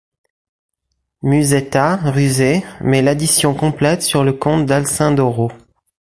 Musetta, rusée, met l'addition complète sur le compte d'Alcindoro.